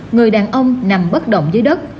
người đàn ông nằm bất động dưới đất